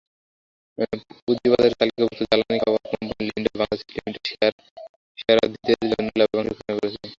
পুঁজিবাজারে তালিকাভুক্ত জ্বালানি খাতের কোম্পানি লিন্ডে বাংলাদেশ লিমিটেড শেয়ারধারীদের জন্য লভ্যাংশ ঘোষণা করেছে।